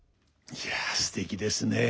いやすてきですね。